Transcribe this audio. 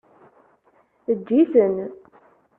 Eǧǧ-itent.